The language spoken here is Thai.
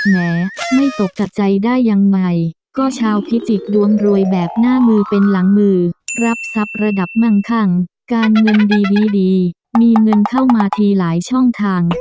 แม้ไม่ตกจัดใจได้ยังไงก็ชาวพิจิกษ์ดวงรวยแบบหน้ามือเป็นหลังมือรับทรัพย์ระดับมั่งคั่งการเงินดีดีมีเงินเข้ามาทีหลายช่องทาง